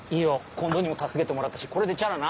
近藤にも助けてもらったしこれでチャラな。